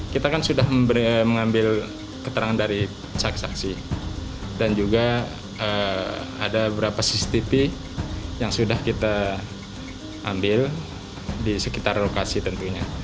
kita kan sudah mengambil keterangan dari saksi saksi dan juga ada beberapa cctv yang sudah kita ambil di sekitar lokasi tentunya